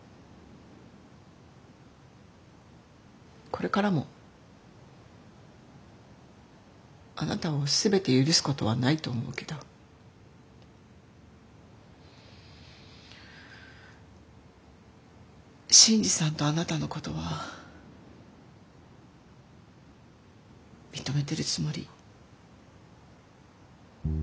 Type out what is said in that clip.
これからもあなたを全て許すことはないと思うけど信爾さんとあなたのことは認めてるつもり。